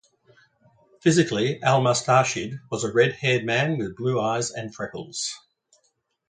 Physically, Al-Mustarshid was a red-haired man with blue eyes and freckles.